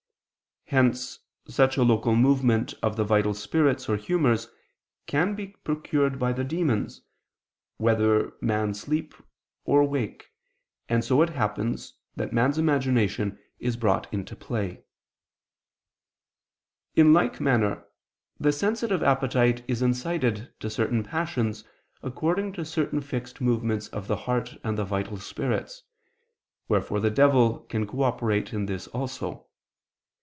Hence such a local movement of the vital spirits or humors can be procured by the demons, whether man sleep or wake: and so it happens that man's imagination is brought into play. In like manner, the sensitive appetite is incited to certain passions according to certain fixed movements of the heart and the vital spirits: wherefore the devil can cooperate in this also.